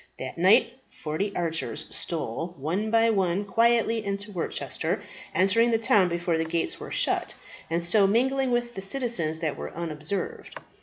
That night forty archers stole, one by one, quietly into Worcester, entering the town before the gates were shut, and so mingling with the citizens that they were unobserved.